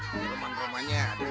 rumah rumahnya ada ada beres